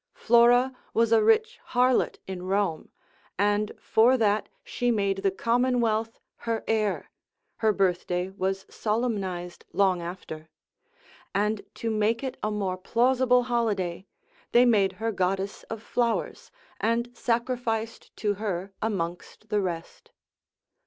Flora was a rich harlot in Rome, and for that she made the commonwealth her heir, her birthday was solemnised long after; and to make it a more plausible holiday, they made her goddess of flowers, and sacrificed to her amongst the rest.